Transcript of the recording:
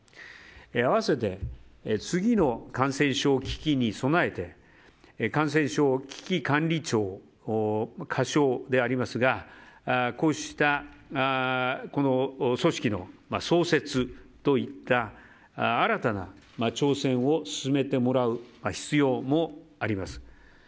合わせて次の感染症危機に備えて感染症危機管理庁仮称でありますがこうした組織の創設といった新たな調整を進めてもらう必要もあります。